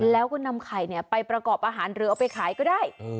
แล้วก็นำไข่ไปประกอบอาหารหรือเอาไปขายก็ได้